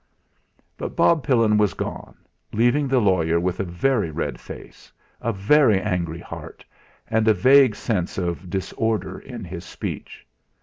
But Bob Pillin was gone, leaving the lawyer with a very red face, a very angry heart, and a vague sense of disorder in his speech.